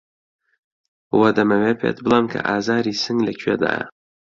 وە دەمەوێ پێت بڵێم کە ئازاری سنگ لە کوێدایه